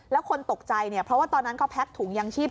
แล้วคนตกใจเนี่ยเพราะว่าตอนนั้นเขาแพ็กถุงยางชีพ